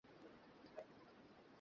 যেন ব্যাগে কনডম না, বোম রেখেছি।